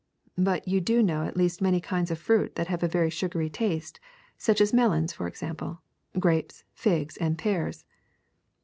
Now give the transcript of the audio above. But you do know at least many kinds of fruit that have a very sugary taste, such as melons, for example; grapes, figs, and pears."